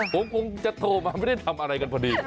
ผมคงจะโทรมาไม่ได้ทำอะไรกันพอดี